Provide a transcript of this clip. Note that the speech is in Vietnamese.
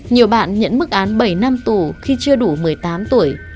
nhiều bạn nhận mức án bảy năm tù khi chưa đủ một mươi tám tuổi